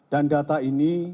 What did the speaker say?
dan data ini